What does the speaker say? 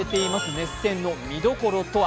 熱戦の見どころとは。